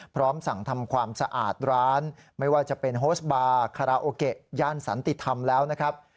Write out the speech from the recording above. พร้อมสั่งทำความสะอาดร้านไม่ว่าจะเป็นโฮสบาร์คาราโอเกะย่านสันติธรรมแล้วนะครับ